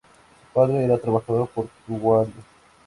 Su padre era trabajador portuario.